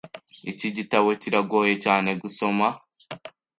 Iki gitabo kirangoye cyane gusoma.